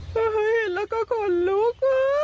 เฮ้ยแล้วก็ขนลุก